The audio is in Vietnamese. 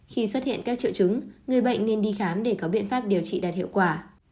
khi xuất hiện các triệu chứng người bệnh nên đi khám để có biện pháp điều trị đạt hiệu quả